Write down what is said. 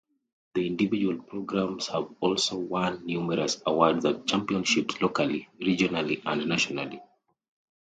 The individual programs have also won numerous awards and championships locally, regionally, and nationally.